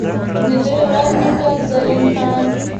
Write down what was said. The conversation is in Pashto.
ددوي ور نيکۀ، زرين خان ،